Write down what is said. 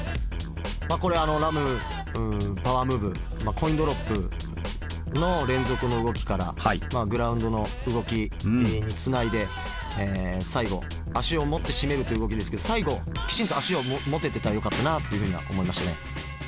コインドロップの連続の動きからグラウンドの動きにつないで最後足を持って締めるという動きですけど最後きちんと足を持ててたらよかったなというふうには思いましたね。